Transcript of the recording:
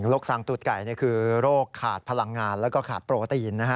ซางตูดไก่คือโรคขาดพลังงานแล้วก็ขาดโปรตีน